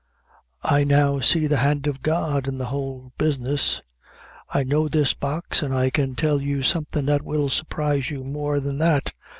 I now see the hand of God in the whole business. I know this box an' I can tell you something that will surprise you more than that.